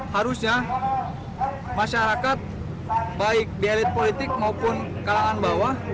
harusnya masyarakat baik di elit politik maupun kalangan bawah